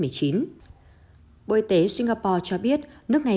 bộ y tế singapore cho biết nước này ghi nhận ca đầu tiên nhiễm biến thể omicron tại nước này